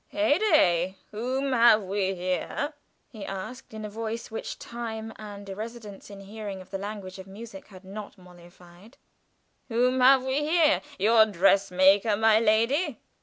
"Heyday! Whom have we here?" he asked, in a voice which time and a residence in hearing of the language of music had not mollified. "Whom have we here? Your dress maker, my lady?